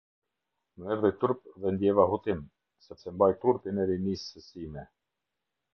Më erdhi turp dhe ndjeva hutim, sepse mbaj turpin e rinisë sime".